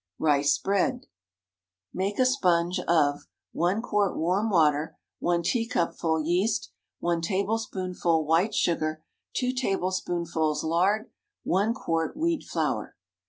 RICE BREAD. Make a sponge of— 1 quart warm water. 1 teacupful yeast. 1 tablespoonful white sugar. 2 tablespoonfuls lard. 1 quart wheat flour.